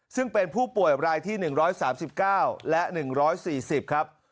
ซึ่งเป็นผู้ป่วยรายที่๑๓๙และ๑๔๐ครับ